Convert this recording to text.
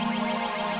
aku mau pergi